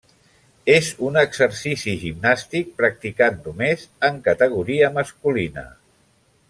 És un exercici gimnàstic practicat només en categoria masculina.